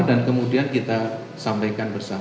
dan kemudian kita sampaikan bersama